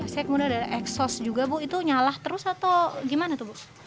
sejak muda x house juga bu itu nyala terus atau gimana tuh bu